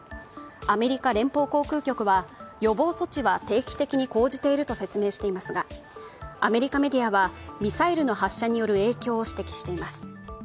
アメリカ連邦航空局は予防措置は定期的に講じていると説明していますがアメリカメディアはミサイルの発射による影響を指摘しています。